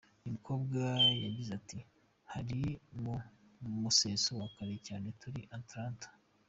Uyu mukobwa yagize ati: “Hari mu museso wa kare cyane turi i Atlanta.